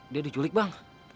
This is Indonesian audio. dia diculik bang